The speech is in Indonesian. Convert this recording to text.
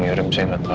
percelakaan itu al